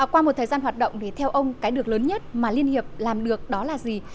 qua một thời gian hoạt động thì theo ông cái được lớn nhất mà liên hiệp làm được đó là gì